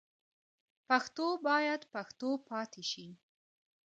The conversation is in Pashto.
پښتو باید پښتو پاتې شي.